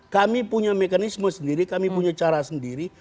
kami punya mekanisme sendiri kami punya cara sendiri